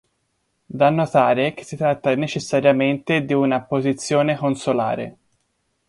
Da notare che si tratta necessariamente di una posizione consolare.